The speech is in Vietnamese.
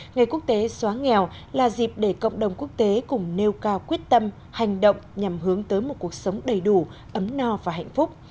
ngày quốc tế xóa nghèo là dịp để cộng đồng quốc tế cùng nêu cao quyết tâm hành động nhằm hướng tới một cuộc sống đầy đủ ấm no và hạnh phúc